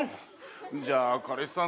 じゃあ彼氏さん